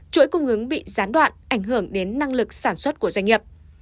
chuỗi cung ứng bị gián đoạn ảnh hưởng đến năng lực sản xuất của doanh nghiệp